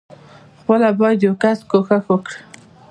خپله بايد يو کس کوښښ وکي.